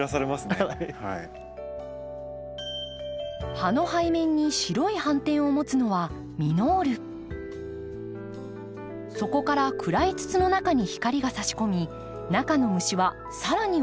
葉の背面に白い斑点を持つのはそこから暗い筒の中に光がさし込み中の虫は更に奥に入ってしまいます。